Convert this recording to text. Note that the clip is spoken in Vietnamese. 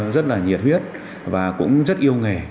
rất là nhiệt huyết và cũng rất yêu nghề